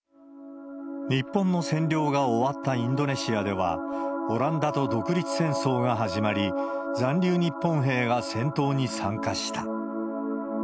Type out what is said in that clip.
日本の占領が終わったインドネシアでは、オランダと独立戦争が始まり、残留日本兵が戦闘に参加した。